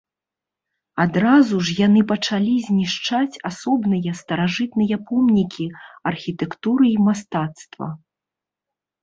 Адразу ж яны пачалі знішчаць асобныя старажытныя помнікі архітэктуры і мастацтва.